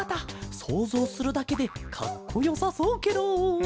そうぞうするだけでかっこよさそうケロ。